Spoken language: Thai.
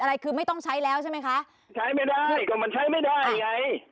อะไรคือไม่ต้องใช้แล้วใช่ไหมคะใช้ไม่ได้ก็มันใช้ไม่ได้ไง